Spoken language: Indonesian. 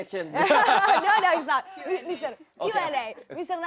jangan memberi saya pertanyaan yang susah ini ya